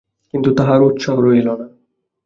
কিন্তু তাহার আর উৎসাহ রহিল না।